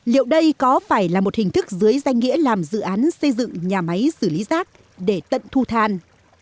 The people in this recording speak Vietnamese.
liệu đây có phải là một hình thức dưới danh nghĩa làm dự án xây dựng nhà máy xử lý rác để tận thu than